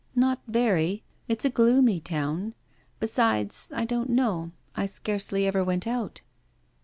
'Not very; it's a gloomy town. Besides, I don't know; I scarcely ever went out.